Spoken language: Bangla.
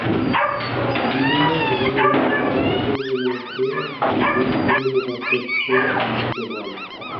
বিভিন্ন ধরনের উন্মুক্ত প্রকল্পের মধ্যে গুরুত্বপূর্ণ পার্থক্য বিদ্যমান।